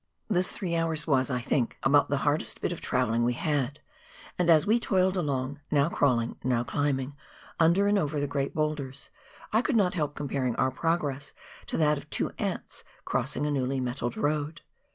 This three hours was, I think, about the hardest bit of travelling we had, and as we toiled along, now crawling, now climbing, under and over the great boulders, I could not help comparing our progress to that of two ants crossing a newly metalled road.